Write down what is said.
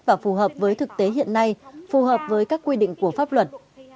và phù hợp với thực tế hiện nay phù hợp với các quy định của pháp luật